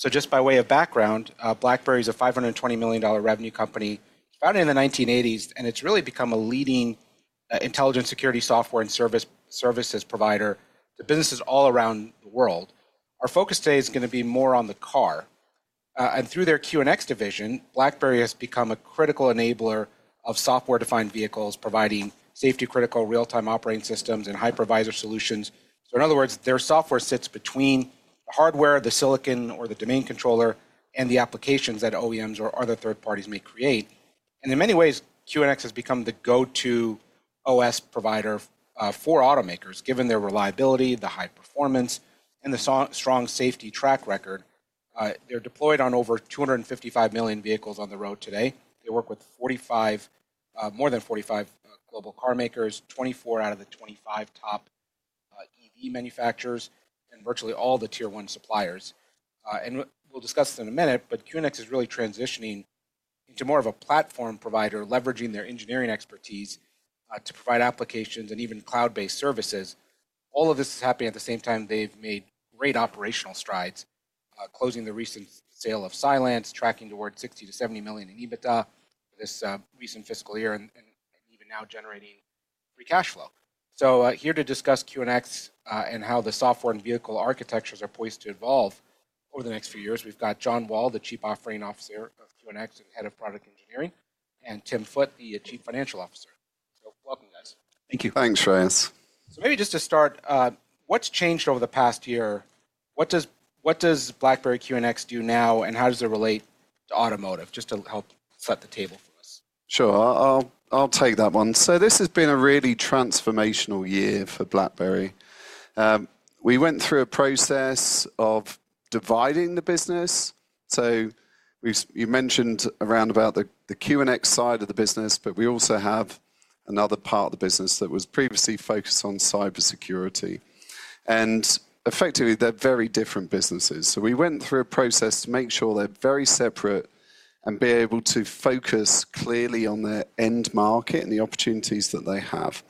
So just by way of background, BlackBerry is a $520 million revenue company founded in the 1980s, and it's really become a leading intelligent security software and services provider to businesses all around the world. Our focus today is going to be more on the car. And through their QNX division, BlackBerry has become a critical enabler of software-defined vehicles, providing safety-critical real-time operating systems and hypervisor solutions. So in other words, their software sits between the hardware, the silicon, or the domain controller and the applications that OEMs or other third parties may create. And in many ways, QNX has become the go-to OS provider for automakers, given their reliability, the high performance, and the strong safety track record. They're deployed on over 255 million vehicles on the road today. They work with more than 45 global car makers, 24 out of the 25 top EV manufacturers, and virtually all the Tier 1 suppliers. And we'll discuss this in a minute, but QNX is really transitioning into more of a platform provider, leveraging their engineering expertise to provide applications and even cloud-based services. All of this is happening at the same time they've made great operational strides, closing the recent sale of Cylance, tracking toward $60 million-$70 million in EBITDA this recent fiscal year, and even now generating free cash flow. So here to discuss QNX and how the software and vehicle architectures are poised to evolve over the next few years, we've got John Wall, the Chief Operating Officer of QNX and Head of Product Engineering, and Tim Foote, the Chief Financial Officer. So welcome, guys. Thank you. Thanks, Ryan. So maybe just to start, what's changed over the past year? What does BlackBerry QNX do now, and how does it relate to automotive, just to help set the table for us? Sure, I'll take that one. So this has been a really transformational year for BlackBerry. We went through a process of dividing the business. So you mentioned around about the QNX side of the business, but we also have another part of the business that was previously focused on cybersecurity. And effectively, they're very different businesses. So we went through a process to make sure they're very separate and be able to focus clearly on their end market and the opportunities that they have.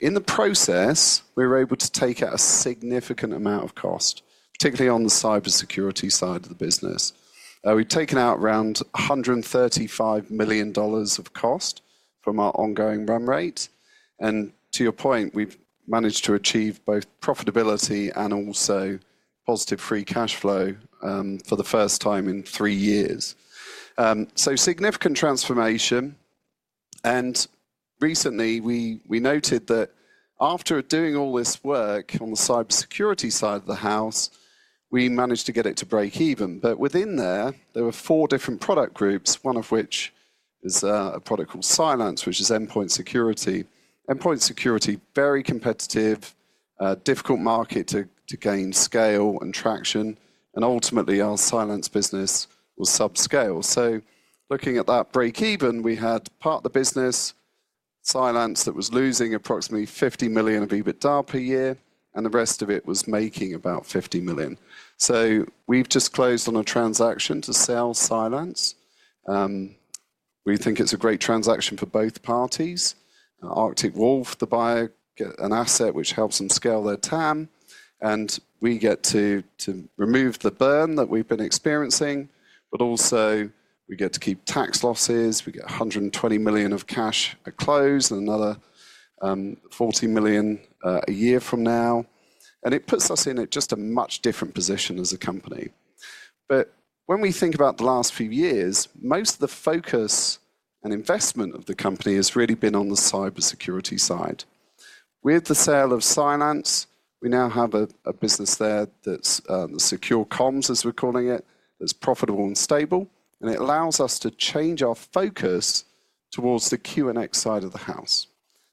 In the process, we were able to take out a significant amount of cost, particularly on the cybersecurity side of the business. We've taken out around $135 million of cost from our ongoing run rate. And to your point, we've managed to achieve both profitability and also positive free cash flow for the first time in three years. So significant transformation. Recently, we noted that after doing all this work on the cybersecurity side of the house, we managed to get it to break even. Within there, there were four different product groups, one of which is a product called Cylance, which is endpoint security. Endpoint security, very competitive, difficult market to gain scale and traction. Ultimately, our Cylance business was subscale. Looking at that break even, we had part of the business, Cylance, that was losing approximately $50 million of EBITDA per year, and the rest of it was making about $50 million. We've just closed on a transaction to sell Cylance. We think it's a great transaction for both parties. Arctic Wolf, the buyer, gets an asset, which helps them scale their TAM. We get to remove the burn that we've been experiencing, but also we get to keep tax losses. We get $120 million of cash at close and another $40 million a year from now. And it puts us in just a much different position as a company. But when we think about the last few years, most of the focus and investment of the company has really been on the cybersecurity side. With the sale of Cylance, we now have a business there that's Secure Comms, as we're calling it, that's profitable and stable. And it allows us to change our focus towards the QNX side of the house.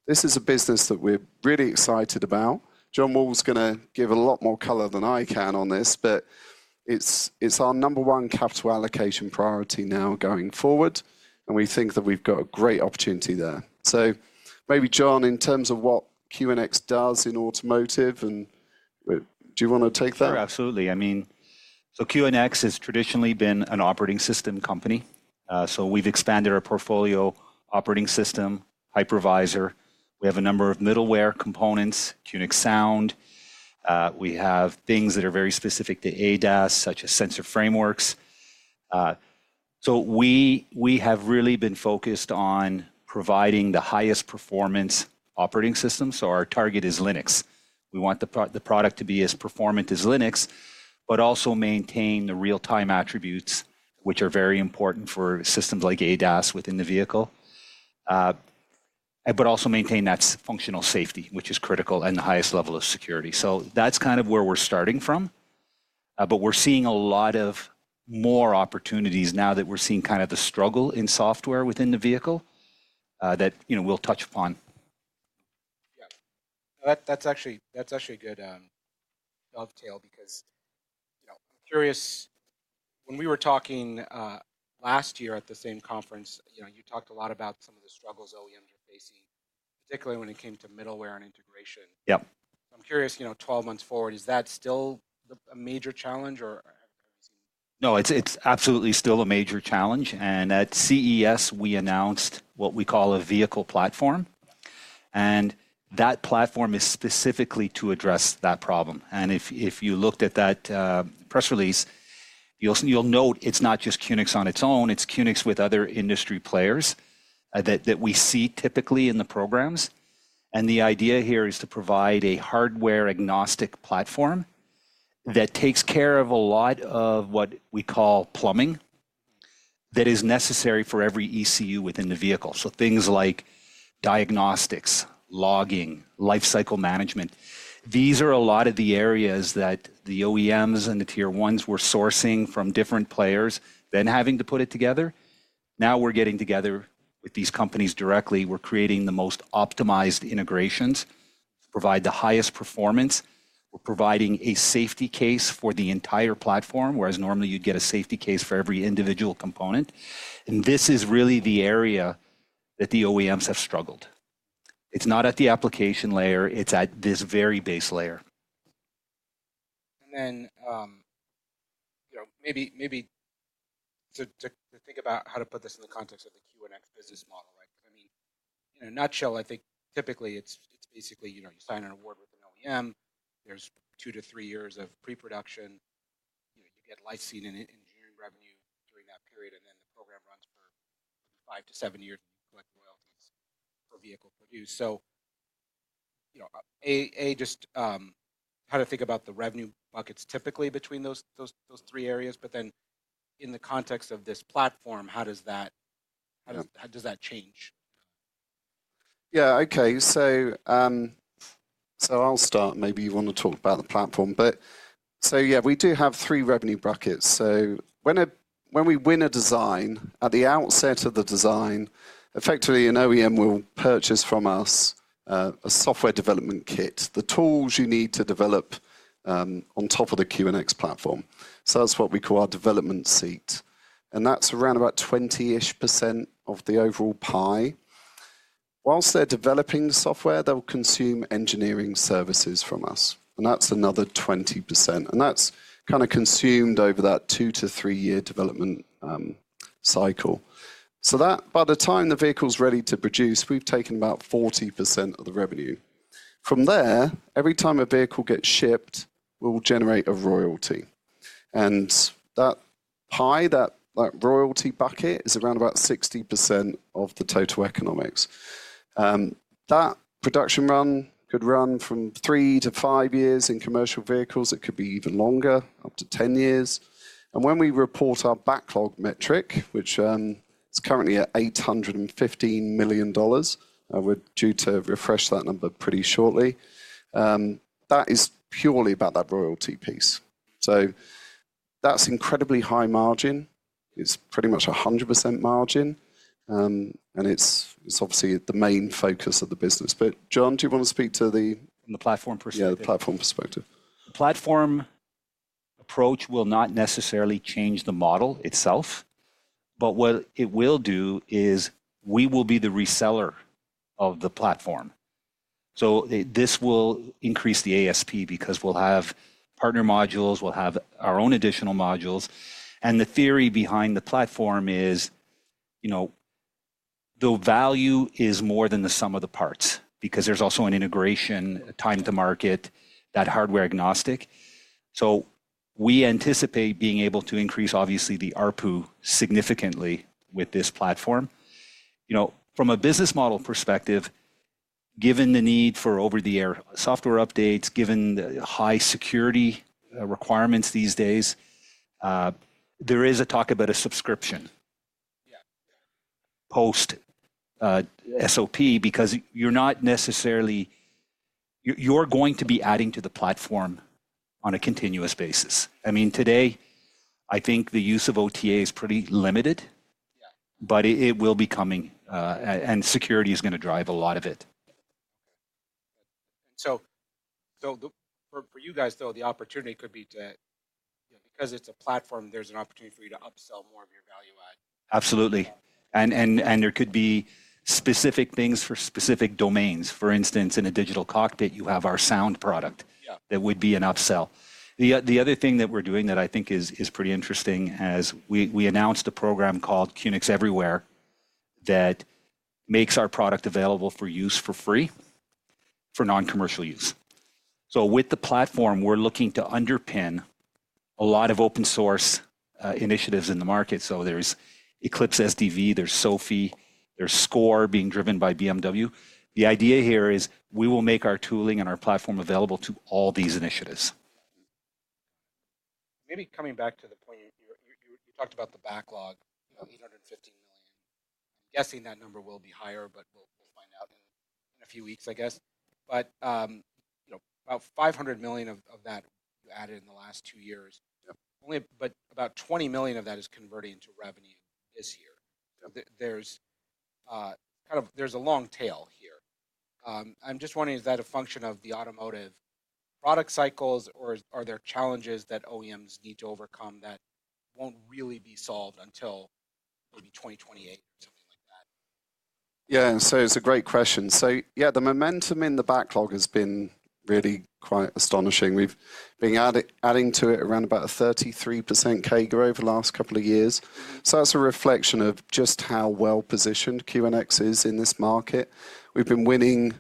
This is a business that we're really excited about. John Wall's going to give a lot more color than I can on this, but it's our number one capital allocation priority now going forward, and we think that we've got a great opportunity there. So maybe, John, in terms of what QNX does in automotive, do you want to take that? Sure, absolutely. I mean, so QNX has traditionally been an operating system company. So we've expanded our portfolio operating system, hypervisor. We have a number of middleware components, QNX Sound. We have things that are very specific to ADAS, such as sensor frameworks. So we have really been focused on providing the highest performance operating system. So our target is Linux. We want the product to be as performant as Linux, but also maintain the real-time attributes, which are very important for systems like ADAS within the vehicle, but also maintain that functional safety, which is critical and the highest level of security. So that's kind of where we're starting from. But we're seeing a lot of more opportunities now that we're seeing kind of the struggle in software within the vehicle that we'll touch upon. Yeah, that's actually good dovetail because I'm curious, when we were talking last year at the same conference, you talked a lot about some of the struggles OEMs are facing, particularly when it came to middleware and integration. Yep. I'm curious, 12 months forward, is that still a major challenge or have you seen? No, it's absolutely still a major challenge. And at CES, we announced what we call a vehicle platform. And that platform is specifically to address that problem. And if you looked at that press release, you'll note it's not just QNX on its own. It's QNX with other industry players that we see typically in the programs. And the idea here is to provide a hardware-agnostic platform that takes care of a lot of what we call plumbing that is necessary for every ECU within the vehicle. So things like diagnostics, logging, lifecycle management. These are a lot of the areas that the OEMs and the Tier 1s were sourcing from different players than having to put it together. Now we're getting together with these companies directly. We're creating the most optimized integrations to provide the highest performance. We're providing a safety case for the entire platform, whereas normally you'd get a safety case for every individual component. And this is really the area that the OEMs have struggled. It's not at the application layer. It's at this very base layer. And then maybe to think about how to put this in the context of the QNX business model, right? I mean, in a nutshell, I think typically it's basically you sign an award with an OEM. There's two to three years of pre-production. You get licensing and engineering revenue during that period, and then the program runs for five to seven years, and you collect royalties per vehicle produced. So A, just how to think about the revenue buckets typically between those three areas, but then in the context of this platform, how does that change? Yeah, okay. So I'll start. Maybe you want to talk about the platform. But so yeah, we do have three revenue buckets. So when we win a design, at the outset of the design, effectively an OEM will purchase from us a software development kit, the tools you need to develop on top of the QNX platform. So that's what we call our development seat. And that's around about 20-ish percent of the overall pie. Whilst they're developing the software, they'll consume engineering services from us. And that's another 20%. And that's kind of consumed over that two to three-year development cycle. So that, by the time the vehicle's ready to produce, we've taken about 40% of the revenue. From there, every time a vehicle gets shipped, we'll generate a royalty. And that pie, that royalty bucket, is around about 60% of the total economics. That production run could run from three to five years in commercial vehicles. It could be even longer, up to 10 years. And when we report our backlog metric, which is currently at $815 million, we're due to refresh that number pretty shortly, that is purely about that royalty piece. So that's incredibly high margin. It's pretty much 100% margin. And it's obviously the main focus of the business. But John, do you want to speak to the? From the platform perspective? Yeah, the platform perspective. The platform approach will not necessarily change the model itself, but what it will do is we will be the reseller of the platform, so this will increase the ASP because we'll have partner modules, we'll have our own additional modules, and the theory behind the platform is the value is more than the sum of the parts because there's also an integration, time to market, that hardware-agnostic, so we anticipate being able to increase, obviously, the ARPU significantly with this platform. From a business model perspective, given the need for over-the-air software updates, given the high security requirements these days, there is a talk about a subscription post-SOP because you're not necessarily going to be adding to the platform on a continuous basis. I mean, today, I think the use of OTA is pretty limited, but it will be coming, and security is going to drive a lot of it. And so for you guys, though, the opportunity could be to, because it's a platform, there's an opportunity for you to upsell more of your value add. Absolutely, and there could be specific things for specific domains. For instance, in a Digital Cockpit, you have our Sound product that would be an upsell. The other thing that we're doing that I think is pretty interesting is we announced a program called QNX Everywhere that makes our product available for use for free for non-commercial use. So with the platform, we're looking to underpin a lot of open-source initiatives in the market. So there's Eclipse SDV, there's SOAFEE, there's Score being driven by BMW. The idea here is we will make our tooling and our platform available to all these initiatives. Maybe coming back to the point, you talked about the backlog, $815 million. I'm guessing that number will be higher, but we'll find out in a few weeks, I guess, but about $500 million of that added in the last two years, but about $20 million of that is converting into revenue this year. There's kind of a long tail here. I'm just wondering, is that a function of the automotive product cycles, or are there challenges that OEMs need to overcome that won't really be solved until maybe 2028 or something like that? Yeah, and so it's a great question. So yeah, the momentum in the backlog has been really quite astonishing. We've been adding to it around about a 33% CAGR over the last couple of years. So that's a reflection of just how well-positioned QNX is in this market. We've been winning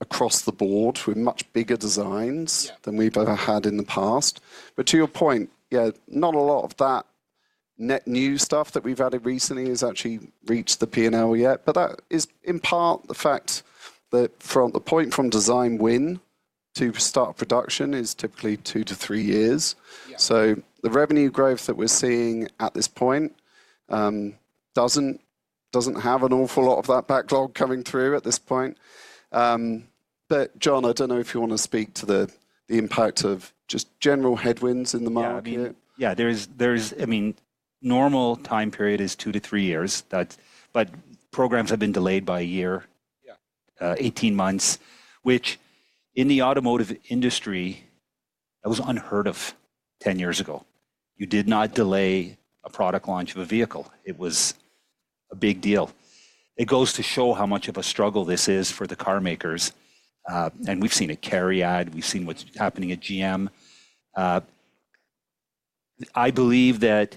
across the board with much bigger designs than we've ever had in the past. But to your point, yeah, not a lot of that net new stuff that we've added recently has actually reached the P&L yet. But that is in part the fact that from the point from design win to start production is typically two to three years. So the revenue growth that we're seeing at this point doesn't have an awful lot of that backlog coming through at this point. But John, I don't know if you want to speak to the impact of just general headwinds in the market. Yeah, I mean, normal time period is two to three years, but programs have been delayed by a year, 18 months, which in the automotive industry, that was unheard of 10 years ago. You did not delay a product launch of a vehicle. It was a big deal. It goes to show how much of a struggle this is for the car makers. We've seen CARIAD. We've seen what's happening at GM. I believe that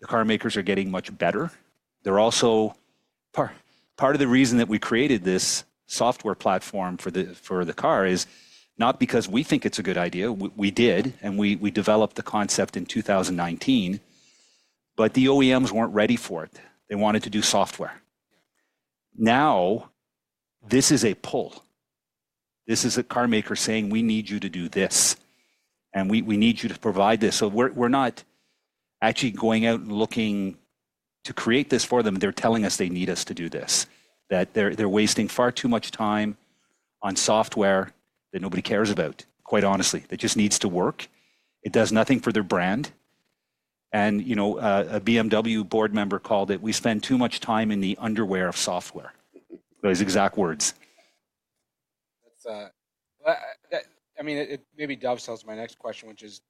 the car makers are getting much better. Part of the reason that we created this software platform for the car is not because we think it's a good idea. We did, and we developed the concept in 2019, but the OEMs weren't ready for it. They wanted to do software. Now, this is a pull. This is a car maker saying, "We need you to do this, and we need you to provide this." So we're not actually going out and looking to create this for them. They're telling us they need us to do this, that they're wasting far too much time on software that nobody cares about, quite honestly. It just needs to work. It does nothing for their brand. And a BMW board member called it, "We spend too much time in the underwear of software." Those exact words. I mean, maybe dovetails to my next question, which is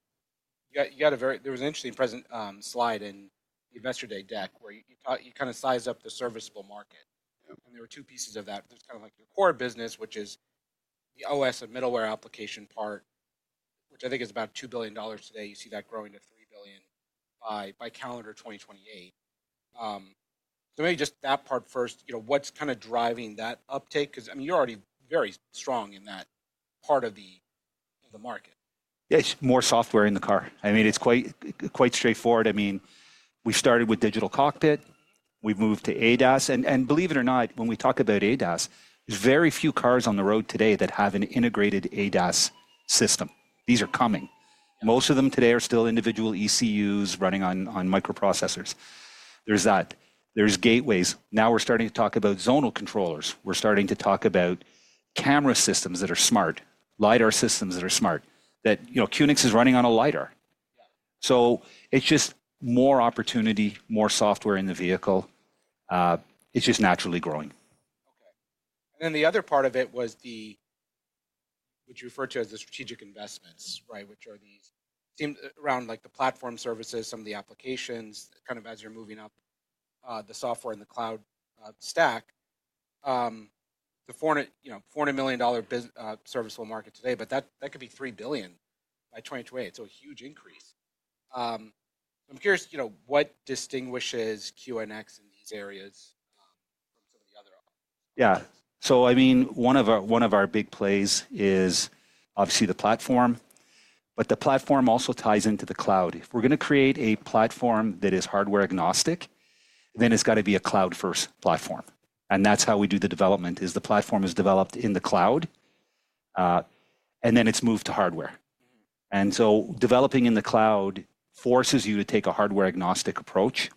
there was an interesting presentation slide in the Investor Day deck where you kind of sized up the serviceable market, and there were two pieces of that. There's kind of like your core business, which is the OS and middleware application part, which I think is about $2 billion today. You see that growing to $3 billion by calendar 2028. So maybe just that part first, what's kind of driving that uptake? Because I mean, you're already very strong in that part of the market. Yeah, it's more software in the car. I mean, it's quite straightforward. I mean, we started with digital cockpit. We've moved to ADAS. And believe it or not, when we talk about ADAS, there's very few cars on the road today that have an integrated ADAS system. These are coming. Most of them today are still individual ECUs running on microprocessors. There's that. There's gateways. Now we're starting to talk about zonal controllers. We're starting to talk about camera systems that are smart, LiDAR systems that are smart, that QNX is running on a LiDAR. So it's just more opportunity, more software in the vehicle. It's just naturally growing. Okay. And then the other part of it was what would you refer to as the strategic investments, right, which are around like the platform services, some of the applications, kind of as you're moving up the software and the cloud stack, the $400 million serviceable market today, but that could be $3 billion by 2028, so a huge increase. I'm curious, what distinguishes QNX in these areas from some of the other? Yeah. So I mean, one of our big plays is obviously the platform, but the platform also ties into the cloud. If we're going to create a platform that is hardware-agnostic, then it's got to be a cloud-first platform. And that's how we do the development, is the platform is developed in the cloud, and then it's moved to hardware. And so developing in the cloud forces you to take a hardware-agnostic approach.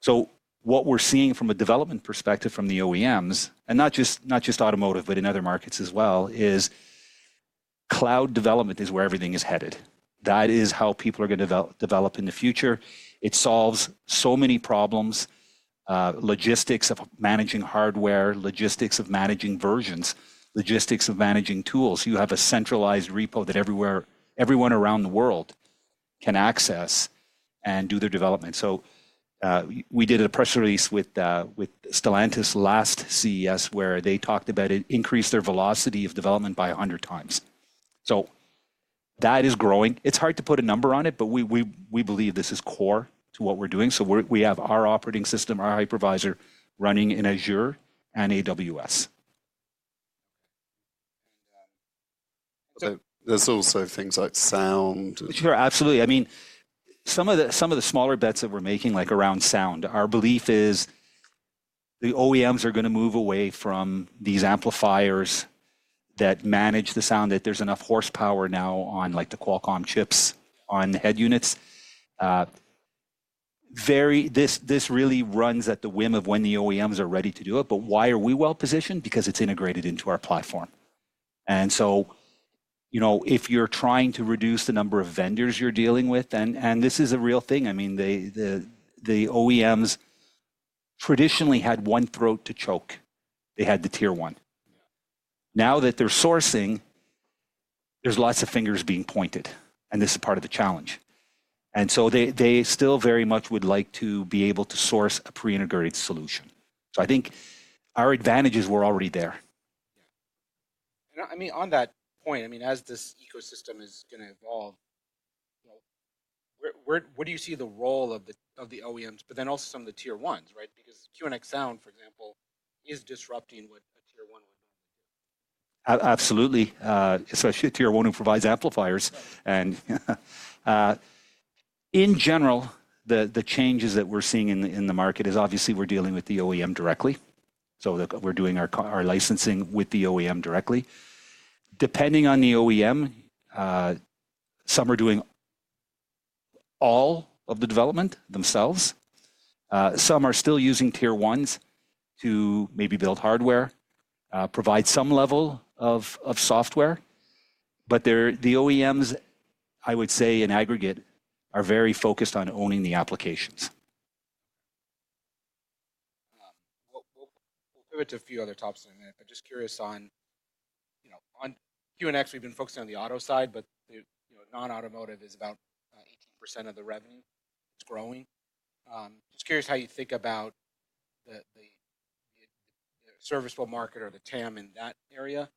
So what we're seeing from a development perspective from the OEMs, and not just automotive, but in other markets as well, is cloud development is where everything is headed. That is how people are going to develop in the future. It solves so many problems, logistics of managing hardware, logistics of managing versions, logistics of managing tools. You have a centralized repo that everyone around the world can access and do their development. So we did a press release with Stellantis' last CES where they talked about it increased their velocity of development by 100x. So that is growing. It's hard to put a number on it, but we believe this is core to what we're doing. So we have our operating system, our hypervisor running in Azure and AWS. And. There's also things like Sound. Sure, absolutely. I mean, some of the smaller bets that we're making like around Sound, our belief is the OEMs are going to move away from these amplifiers that manage the Sound, that there's enough horsepower now on the Qualcomm chips on the head units. This really runs at the whim of when the OEMs are ready to do it. But why are we well-positioned? Because it's integrated into our platform. And so if you're trying to reduce the number of vendors you're dealing with, and this is a real thing, I mean, the OEMs traditionally had one throat to choke. They had the Tier 1. Now that they're sourcing, there's lots of fingers being pointed, and this is part of the challenge. And so they still very much would like to be able to source a pre-integrated solution. So I think our advantages were already there. I mean, on that point, I mean, as this ecosystem is going to evolve, what do you see the role of the OEMs, but then also some of the Tier 1s, right? Because QNX Sound, for example, is disrupting what a Tier 1 would normally do. Absolutely. Especially a Tier 1 who provides amplifiers. In general, the changes that we're seeing in the market is obviously we're dealing with the OEM directly. So we're doing our licensing with the OEM directly. Depending on the OEM, some are doing all of the development themselves. Some are still using Tier 1s to maybe build hardware, provide some level of software. But the OEMs, I would say in aggregate, are very focused on owning the applications. We'll pivot to a few other topics in a minute, but just curious on QNX, we've been focusing on the auto side, but non-automotive is about 18% of the revenue. It's growing. Just curious how you think about the serviceable market or the TAM in that area,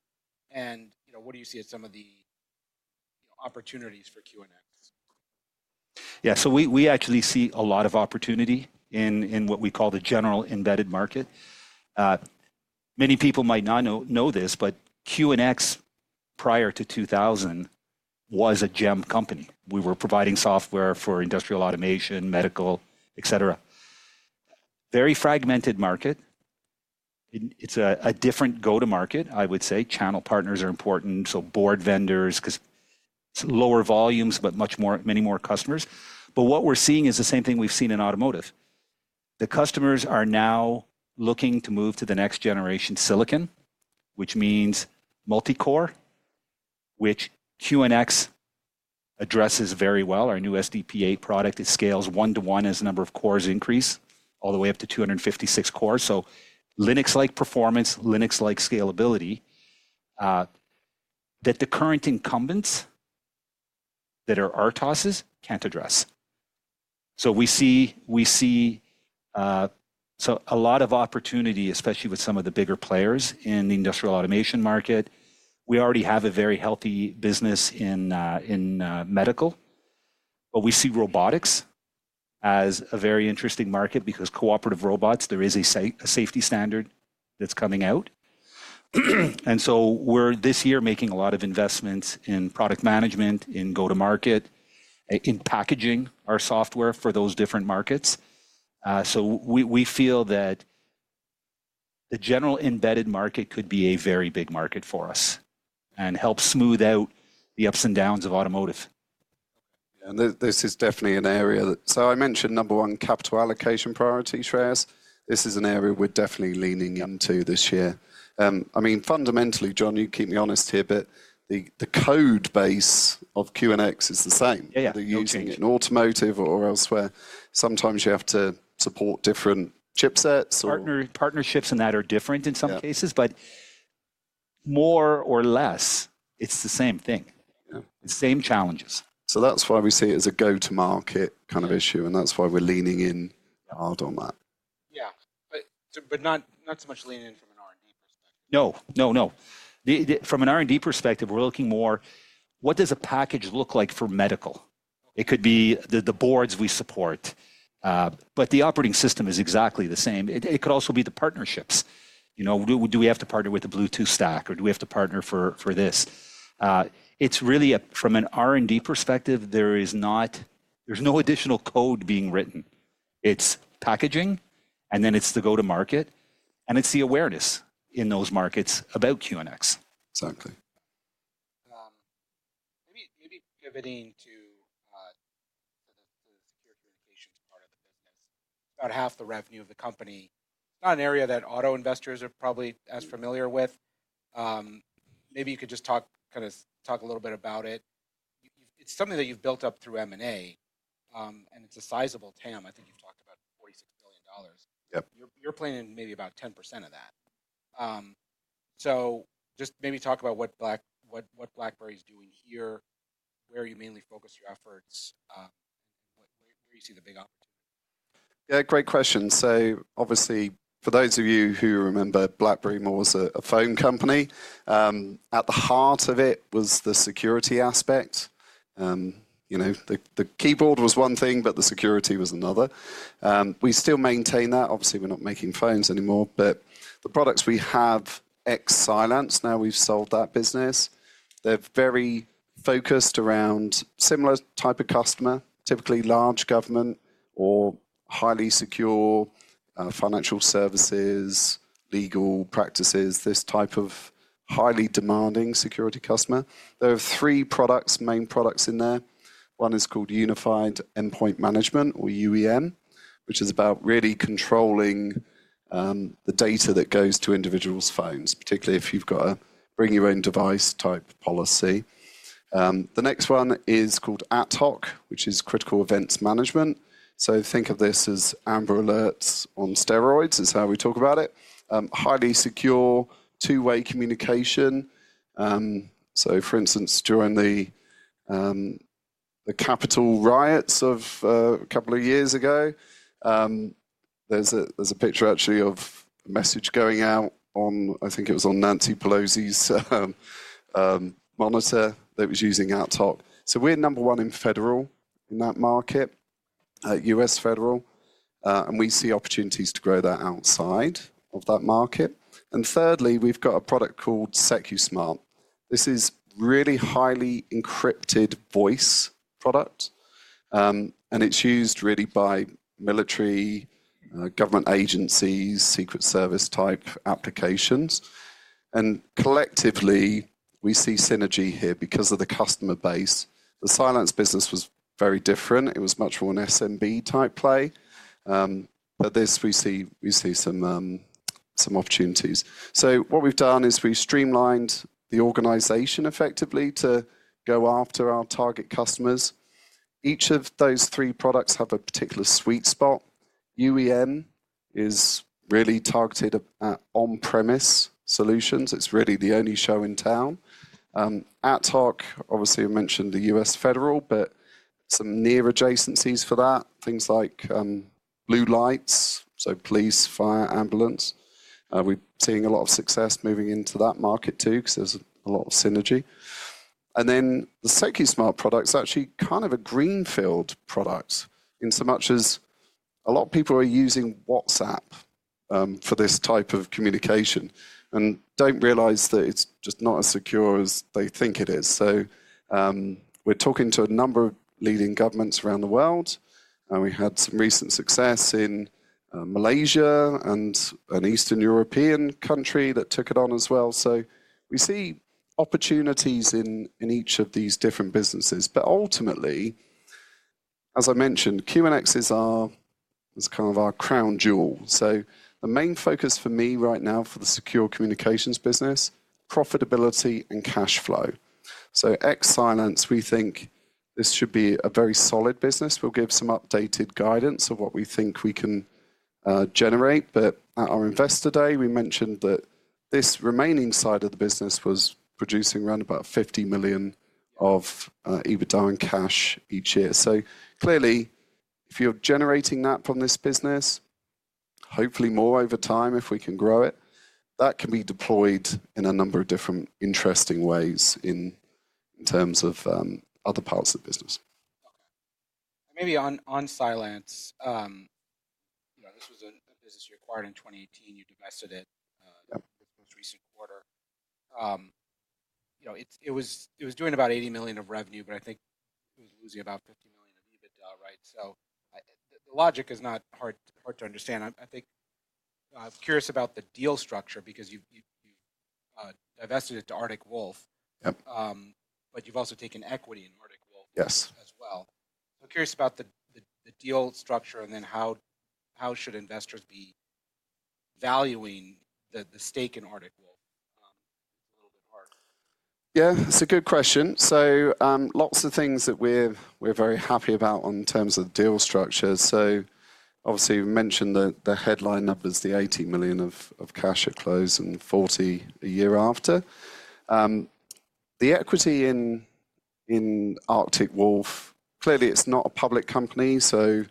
and what do you see as some of the opportunities for QNX? Yeah, so we actually see a lot of opportunity in what we call the General Embedded Market. Many people might not know this, but QNX prior to 2000 was a GEM company. We were providing software for industrial automation, medical, et cetera. Very fragmented market. It's a different go-to-market, I would say. Channel partners are important. So board vendors because it's lower volumes, but many more customers. But what we're seeing is the same thing we've seen in automotive. The customers are now looking to move to the next generation silicon, which means multi-core, which QNX addresses very well. Our new SDP 8 product, it scales one to one as the number of cores increase all the way up to 256 cores. So Linux-like performance, Linux-like scalability that the current incumbents that are RTOSs can't address. So we see a lot of opportunity, especially with some of the bigger players in the industrial automation market. We already have a very healthy business in medical, but we see robotics as a very interesting market because cooperative robots, there is a safety standard that's coming out. And so we're this year making a lot of investments in product management, in go-to-market, in packaging our software for those different markets. So we feel that the General Embedded Market could be a very big market for us and help smooth out the ups and downs of automotive. Yeah, this is definitely an area. So I mentioned number one, capital allocation priority shares. This is an area we're definitely leaning into this year. I mean, fundamentally, John, you keep me honest here, but the code base of QNX is the same. They're using it in automotive or elsewhere. Sometimes you have to support different chipsets. Partnerships in that are different in some cases, but more or less, it's the same thing. The same challenges. So that's why we see it as a go-to-market kind of issue, and that's why we're leaning in hard on that. Yeah, but not so much leaning in from an R&D perspective. No, no, no. From an R&D perspective, we're looking more what does a package look like for medical? It could be the boards we support, but the operating system is exactly the same. It could also be the partnerships. Do we have to partner with the Bluetooth stack, or do we have to partner for this? It's really from an R&D perspective, there's no additional code being written. It's packaging, and then it's the go-to-market, and it's the awareness in those markets about QNX. Exactly. Maybe pivoting to the secure communications part of the business. About half the revenue of the company. It's not an area that auto investors are probably as familiar with. Maybe you could just kind of talk a little bit about it. It's something that you've built up through M&A, and it's a sizable TAM. I think you've talked about $46 billion. You're playing in maybe about 10% of that. So just maybe talk about what BlackBerry is doing here, where you mainly focus your efforts, and where you see the big opportunity. Yeah, great question. So obviously, for those of you who remember BlackBerry more as a phone company, at the heart of it was the security aspect. The keyboard was one thing, but the security was another. We still maintain that. Obviously, we're not making phones anymore, but the products we have, Cylance, now we've sold that business. They're very focused around similar type of customer, typically large government or highly secure financial services, legal practices, this type of highly demanding security customer. There are three main products in there. One is called Unified Endpoint Management, or UEM, which is about really controlling the data that goes to individuals' phones, particularly if you've got a bring-your-own-device type policy. The next one is called AtHoc, which is Critical Events Management. So think of this as AMBER Alerts on steroids. It's how we talk about it. Highly secure two-way communication. For instance, during the Capitol riots of a couple of years ago, there's a picture actually of a message going out on, I think it was on Nancy Pelosi's monitor that was using AtHoc. We're number one in federal in that market, U.S. Federal, and we see opportunities to grow that outside of that market. Thirdly, we've got a product called Secusmart. This is really highly encrypted voice product, and it's used really by military, government agencies, Secret Service type applications. Collectively, we see synergy here because of the customer base. The Cylance business was very different. It was much more an SMB type play. This we see some opportunities. What we've done is we've streamlined the organization effectively to go after our target customers. Each of those three products have a particular sweet spot. UEM is really targeted at on-premise solutions. It's really the only show in town. AtHoc, obviously, I mentioned the U.S. Federal, but some near adjacencies for that, things like blue lights, so police, fire, ambulance. We're seeing a lot of success moving into that market too because there's a lot of synergy, and then the Secusmart product is actually kind of a greenfield product in so much as a lot of people are using WhatsApp for this type of communication and don't realize that it's just not as secure as they think it is, so we're talking to a number of leading governments around the world. We had some recent success in Malaysia and an Eastern European country that took it on as well, so we see opportunities in each of these different businesses, but ultimately, as I mentioned, QNX is kind of our crown jewel. So the main focus for me right now for the secure communications business, profitability and cash flow. So Secusmart, we think this should be a very solid business. We'll give some updated guidance of what we think we can generate. But at our investor day, we mentioned that this remaining side of the business was producing around about $50 million of EBITDA in cash each year. So clearly, if you're generating that from this business, hopefully more over time if we can grow it, that can be deployed in a number of different interesting ways in terms of other parts of the business. Maybe on Cylance, this was a business you acquired in 2018. You divested it this most recent quarter. It was doing about $80 million of revenue, but I think it was losing about $50 million of EBITDA, right? The logic is not hard to understand. I think I'm curious about the deal structure because you've divested it to Arctic Wolf, but you've also taken equity in Arctic Wolf as well. Curious about the deal structure and then how should investors be valuing the stake in Arctic Wolf. It's a little bit hard. Yeah, it's a good question. So lots of things that we're very happy about in terms of deal structure. So obviously, we mentioned the headline numbers, the $80 million of cash at close and $40 million a year after. The equity in Arctic Wolf, clearly, it's not a public company. So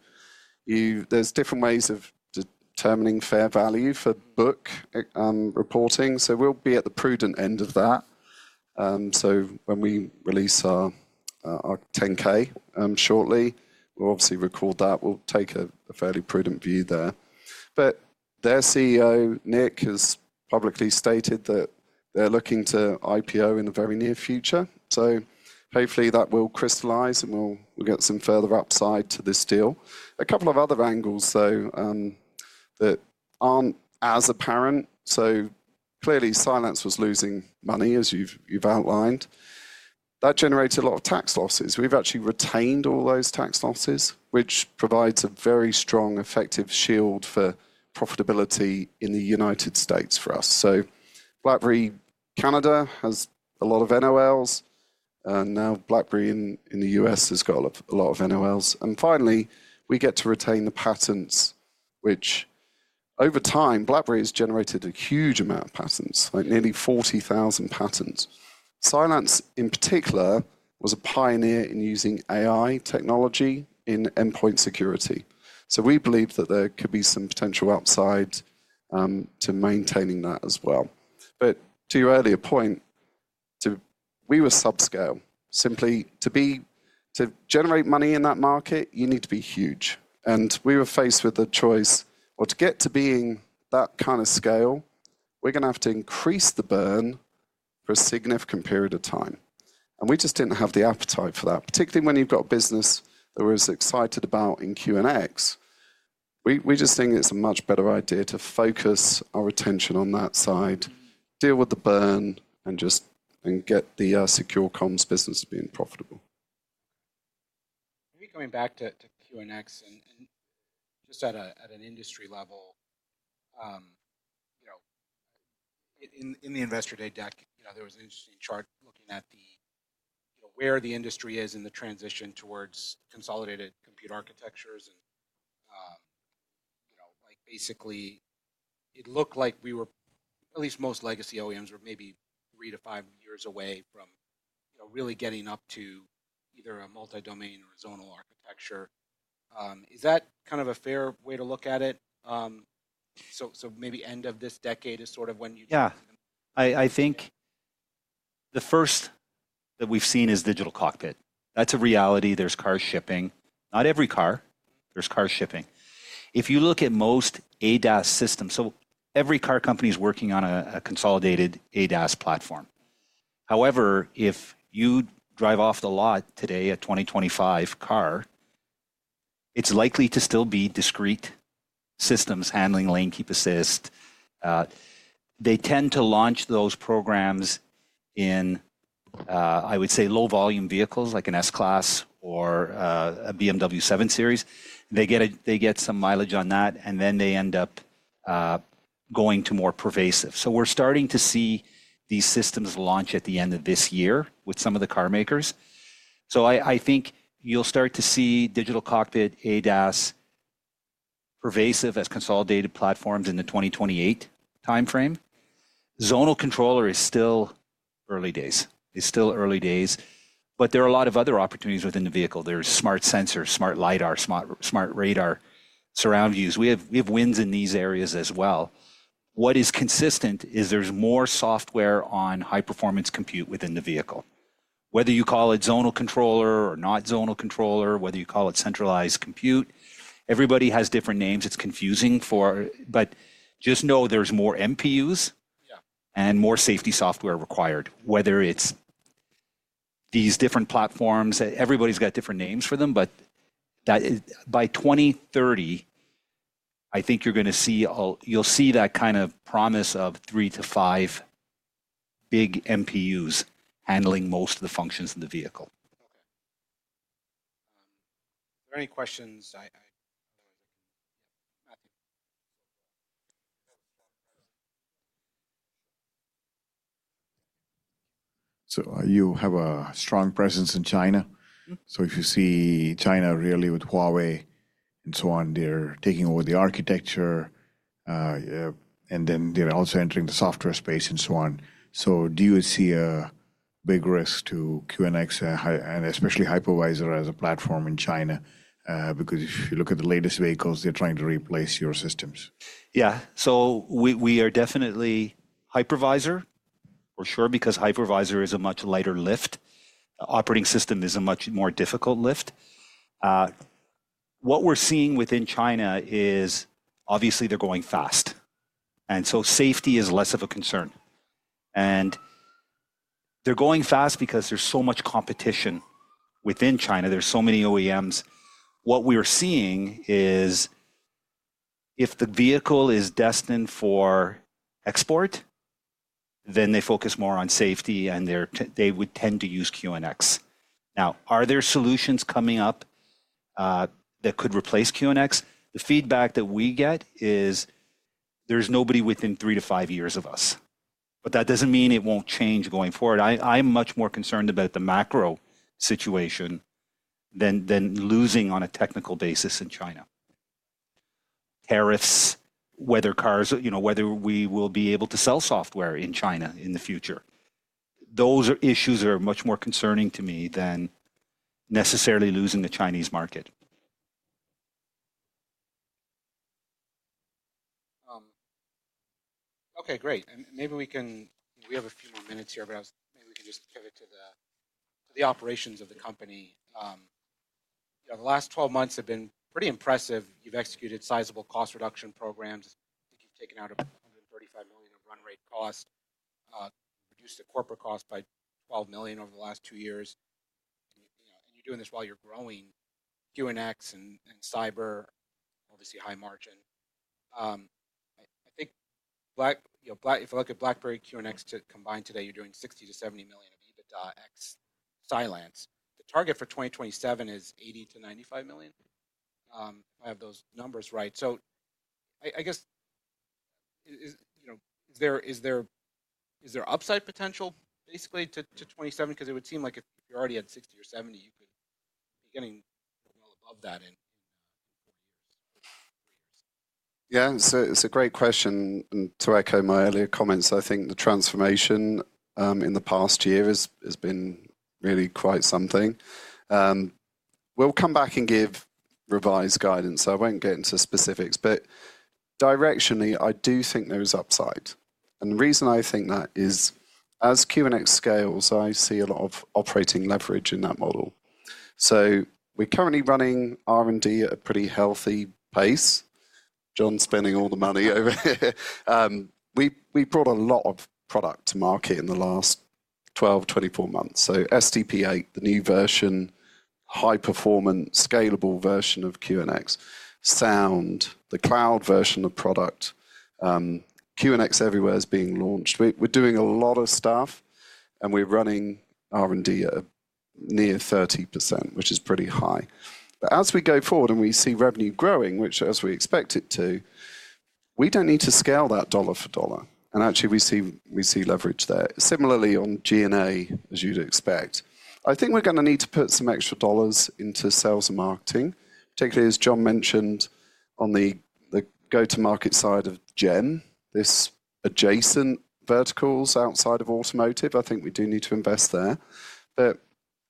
there's different ways of determining fair value for book reporting. So we'll be at the prudent end of that. So when we release our 10-K shortly, we'll obviously record that. We'll take a fairly prudent view there. But their CEO, Nick, has publicly stated that they're looking to IPO in the very near future. So hopefully that will crystallize and we'll get some further upside to this deal. A couple of other angles though that aren't as apparent. So clearly, Cylance was losing money, as you've outlined. That generated a lot of tax losses. We've actually retained all those tax losses, which provides a very strong, effective shield for profitability in the United States for us, so BlackBerry Canada has a lot of NOLs. Now BlackBerry in the U.S. has got a lot of NOLs, and finally, we get to retain the patents, which over time, BlackBerry has generated a huge amount of patents, like nearly 40,000 patents. Cylance, in particular, was a pioneer in using AI technology in endpoint security, so we believe that there could be some potential upside to maintaining that as well. But to your earlier point, we were subscale. Simply to generate money in that market, you need to be huge, and we were faced with the choice or to get to being that kind of scale, we're going to have to increase the burn for a significant period of time. And we just didn't have the appetite for that, particularly when you've got a business that we're as excited about in QNX. We just think it's a much better idea to focus our attention on that side, deal with the burn, and get the Secure Comms business being profitable. Maybe coming back to QNX and just at an industry level, in the investor day, there was an interesting chart looking at where the industry is in the transition towards consolidated compute architectures. And basically, it looked like we were, at least most legacy OEMs were maybe three to five years away from really getting up to either a multi-domain or zonal architecture. Is that kind of a fair way to look at it? So maybe end of this decade is sort of when you'd. Yeah. I think the first that we've seen is Digital Cockpit. That's a reality. There's car shopping. Not every car, there's car shopping. If you look at most ADAS systems, so every car company is working on a consolidated ADAS platform. However, if you drive off the lot today, a 2025 car, it's likely to still be discrete systems handling Lane Keep Assist. They tend to launch those programs in, I would say, low volume vehicles like an S-Class or a BMW 7 Series. They get some mileage on that, and then they end up going to more pervasive, so we're starting to see these systems launch at the end of this year with some of the car makers, so I think you'll start to see Digital Cockpit, ADAS, pervasive as consolidated platforms in the 2028 timeframe. Zonal controller is still early days. It's still early days, but there are a lot of other opportunities within the vehicle. There's smart sensors, smart LiDAR, smart radar, surround views. We have wins in these areas as well. What is consistent is there's more software on high performance compute within the vehicle. Whether you call it zonal controller or not zonal controller, whether you call it centralized compute, everybody has different names. It's confusing, but just know there's more MPUs and more safety software required, whether it's these different platforms. Everybody's got different names for them, but by 2030, I think you're going to see that kind of promise of three to five big MPUs handling most of the functions in the vehicle. Okay. Are there any questions? You have a strong presence in China. If you see China really with Huawei and so on, they're taking over the architecture, and then they're also entering the software space and so on. Do you see a big risk to QNX and especially Hypervisor as a platform in China? Because if you look at the latest vehicles, they're trying to replace your systems. Yeah. So we are definitely Hypervisor, for sure, because Hypervisor is a much lighter lift. The operating system is a much more difficult lift. What we're seeing within China is obviously they're going fast, and so safety is less of a concern. And they're going fast because there's so much competition within China. There's so many OEMs. What we are seeing is if the vehicle is destined for export, then they focus more on safety, and they would tend to use QNX. Now, are there solutions coming up that could replace QNX? The feedback that we get is there's nobody within three to five years of us. But that doesn't mean it won't change going forward. I'm much more concerned about the macro situation than losing on a technical basis in China. Tariffs, whether we will be able to sell software in China in the future. Those issues are much more concerning to me than necessarily losing the Chinese market. Okay, great. Maybe we can have a few more minutes here, but maybe we can just pivot to the operations of the company. The last 12 months have been pretty impressive. You've executed sizable cost reduction programs. I think you've taken out $135 million of run rate cost, reduced the corporate cost by $12 million over the last two years. And you're doing this while you're growing QNX and cyber, obviously high margin. I think if you look at BlackBerry QNX combined today, you're doing $60 million-$70 million of EBITDA ex Cylance. The target for 2027 is $80 million-$95 million. If I have those numbers right. So I guess, is there upside potential basically to 2027? Because it would seem like if you already had 60 or 70, you could be getting well above that in four years. Yeah, it's a great question and to echo my earlier comments, I think the transformation in the past year has been really quite something. We'll come back and give revised guidance. I won't get into specifics, but directionally, I do think there is upside, and the reason I think that is, as QNX scales, I see a lot of operating leverage in that model, so we're currently running R&D at a pretty healthy pace. John's spending all the money over here. We brought a lot of product to market in the last 12, 24 months, so SDP 8, the new version, high performance, scalable version of QNX. Sound, the cloud version of product. QNX Everywhere is being launched. We're doing a lot of stuff, and we're running R&D at near 30%, which is pretty high. But as we go forward and we see revenue growing, which as we expect it to, we don't need to scale that dollar for dollar. And actually, we see leverage there. Similarly, on G&A, as you'd expect, I think we're going to need to put some extra dollars into sales and marketing, particularly as John mentioned on the go-to-market side of GEM, these adjacent verticals outside of automotive. I think we do need to invest there. But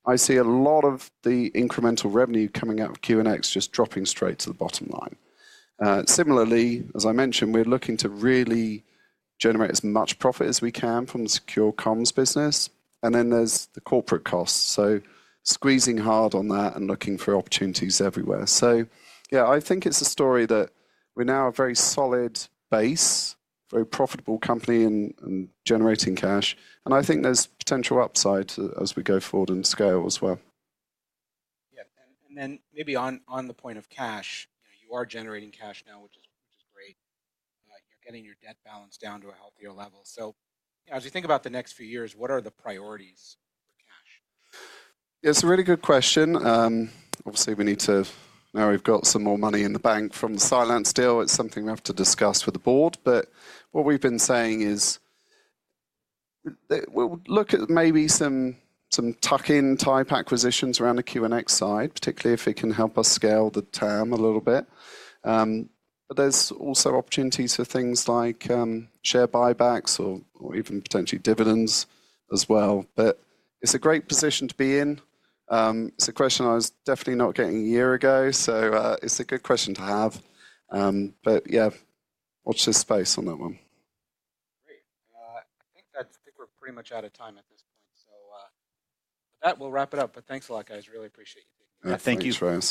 I see a lot of the incremental revenue coming out of QNX just dropping straight to the bottom line. Similarly, as I mentioned, we're looking to really generate as much profit as we can from the Secure Comms business. And then there's the corporate costs. So squeezing hard on that and looking for opportunities everywhere. So yeah, I think it's a story that we now have a very solid base, very profitable company and generating cash. And I think there's potential upside as we go forward and scale as well. Yeah, and then maybe on the point of cash, you are generating cash now, which is great. You're getting your debt balance down to a healthier level, so as you think about the next few years, what are the priorities for cash? Yeah, it's a really good question. Obviously, we need to know we've got some more money in the bank from the Cylance deal. It's something we have to discuss with the board. But what we've been saying is we'll look at maybe some tuck-in type acquisitions around the QNX side, particularly if it can help us scale the TAM a little bit. But there's also opportunities for things like share buybacks or even potentially dividends as well. But it's a great position to be in. It's a question I was definitely not getting a year ago. So it's a good question to have. But yeah, watch this space on that one. Great. I think we're pretty much out of time at this point. So with that, we'll wrap it up. But thanks a lot, guys. Really appreciate you taking the time. Thank you.